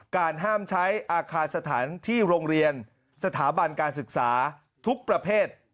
การห้ามใช้อาคารสถานที่โรงเรียนสถาบันการศึกษาทุกประเภท